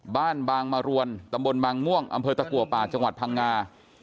บางมรวนตำบลบางม่วงอำเภอตะกัวป่าจังหวัดพังงา